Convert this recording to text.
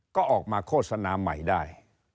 ก็ออกมาโฆษณาใหม่ได้